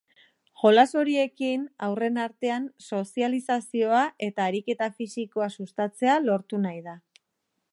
Jolas horiekin, haurren artean sozializazioa eta ariketa fisikoa sustatzea lortu nahi da.